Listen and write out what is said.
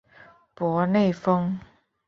博内丰。